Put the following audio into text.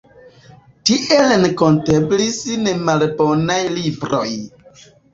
Tie renkonteblis nemalbonaj libroj.